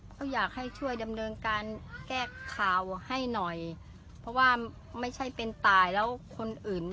เขาอยากให้ช่วยดำเนินการแก้ข่าวให้หน่อยเพราะว่าไม่ใช่เป็นตายแล้วคนอื่น